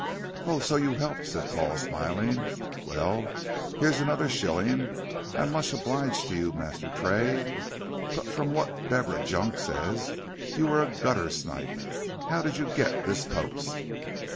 "Oh, so you helped," said Paul, smiling. "Well, here is another shilling. I am much obliged to you, Master Tray. But from what Deborah Junk says you were a guttersnipe. How did you get this post?"